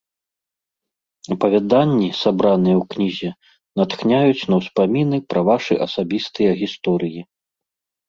Апавяданні, сабраныя ў кнізе, натхняюць на ўспаміны пра вашы асабістыя гісторыі.